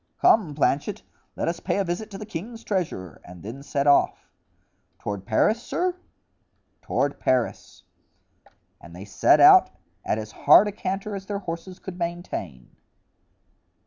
Come, Planchet, let us pay a visit to the king's treasurer and then set off." "Toward Paris, sir?" "Toward Paris." And they set out at as hard a canter as their horses could maintain.